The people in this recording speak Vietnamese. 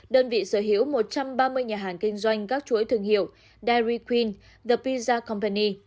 đơn vị sở hữu một trăm ba mươi nhà hàng kinh doanh các chuỗi thương hiệu dairy queen the pizza company